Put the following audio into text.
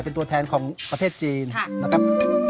เป็นตัวแทนของประเทศจีนนะครับ